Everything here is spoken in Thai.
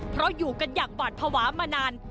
เพราะอยู่กันอย่างหวาดภาวะมานาน